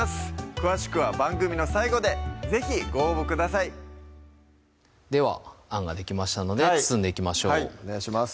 詳しくは番組の最後で是非ご応募くださいではあんができましたので包んでいきましょうお願いします